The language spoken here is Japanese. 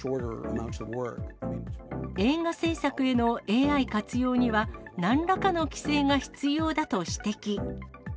映画製作へのＡＩ活用には、なんらかの規制が必要だと指摘。